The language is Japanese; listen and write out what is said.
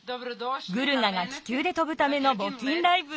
グルガが気球で飛ぶためのぼきんライブへ。